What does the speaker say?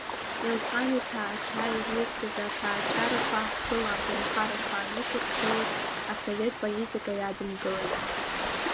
Елҟан иҭаацәа ирҩызцәаз аҭаацәарақәа ҳтәыла аколнхарақәа анышьақәгылоз Асовет политика иадымгылеит.